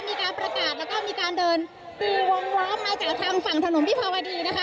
มีการประกาศแล้วก็มีการเดินปูวงล้อมมาจากทางฝั่งถนนวิภาวดีนะคะ